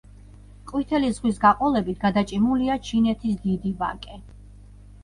ყვითელი ზღვის გაყოლებით გადაჭიმულია ჩინეთის დიდი ვაკე.